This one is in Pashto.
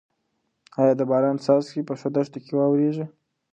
ايا د باران څاڅکي به په دښته کې واوریږي؟